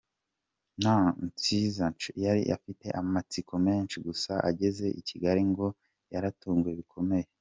Nhlanhla Nciza ngo yari afite amatsiko menshi, gusa ageze i Kigali ngo yaratunguwe bikomeye.